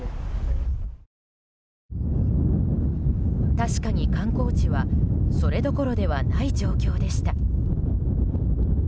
確かに観光地はそれどころではない状況でした。